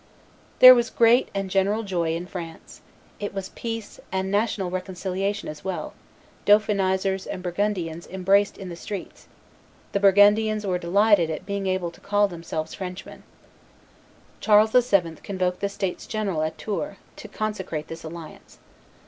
There was great and general joy in France. It was peace, and national reconciliation as well; Dauphinizers and Burgundians embraced in the streets; the Burgundians were delighted at being able to call themselves Frenchmen. Charles VII. convoked the states general at Tours, to consecrate this alliance.